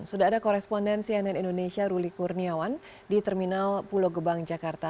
sudah ada koresponden cnn indonesia ruli kurniawan di terminal pulau gebang jakarta